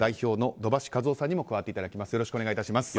土橋一夫さんにも加わっていただきます。